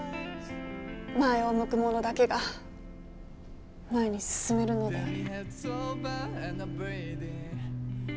前を向く者だけが前に進めるのである。